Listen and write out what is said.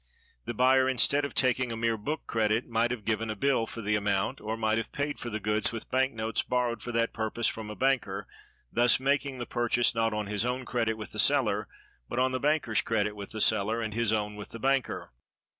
The buyer, instead of taking a mere book credit, might have given a bill for the amount, or might have paid for the goods with bank notes borrowed for that purpose from a banker, thus making the purchase not on his own credit with the seller, but on the banker's credit with the seller, and his own with the banker.